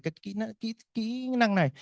các cái kĩ năng này